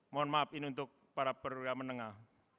mohon maaf ini untuk para perwira menengah